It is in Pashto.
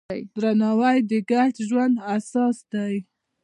درناوی د ګډ ژوند اساس دی.